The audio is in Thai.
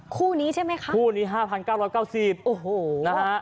คู่นี้ใช่ไหมคะคู่นี้๕๙๙๐โอ้โหนะฮะ